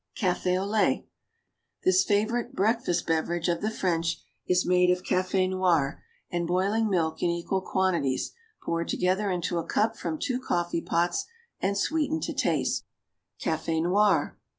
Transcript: CAFE AU LAIT. This favorite breakfast beverage of the French is made of café noir and boiling milk in equal quantities, poured together into a cup from two coffee pots, and sweetened to taste. CAFE NOIR.